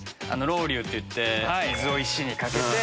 ロウリュといって水を石にかけて。